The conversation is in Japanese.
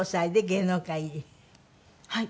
はい。